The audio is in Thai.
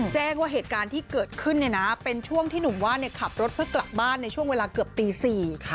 แจ้งว่าเหตุการณ์ที่เกิดขึ้นเนี่ยนะเป็นช่วงที่หนุ่มว่านขับรถเพื่อกลับบ้านในช่วงเวลาเกือบตี๔